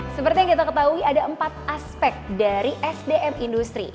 seperti yang kita ketahui ada empat aspek dari sdm industri